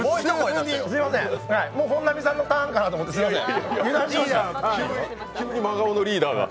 もう本並さんのターンかなと思って、すみません。